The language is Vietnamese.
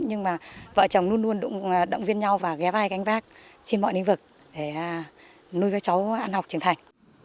nhưng mà vợ chồng luôn luôn động viên nhau và ghé vai gánh vác trên mọi lĩnh vực để nuôi cho cháu ăn học trưởng thành